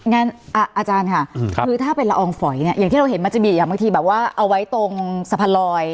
อาจารย์ค่ะคือถ้าเป็นละอองฝอยเนี่ยอย่างที่เราเห็นมันจะมีอย่างบางทีแบบว่าเอาไว้ตรงสะพานลอย